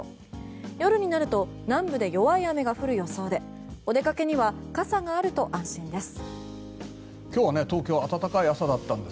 夜になると南部で弱い雨が降る予想でお出かけには傘があると安心です。